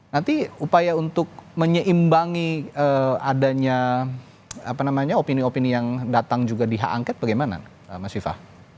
nanti upaya untuk menyeimbangi adanya opini opini yang datang juga di hak angket bagaimana mas viva